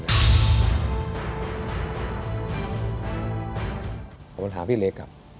ผมถามพี่เล็กครับ